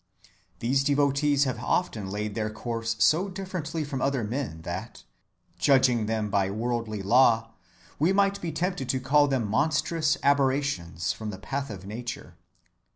These devotees have often laid their course so differently from other men that, judging them by worldly law, we might be tempted to call them monstrous aberrations from the path of nature.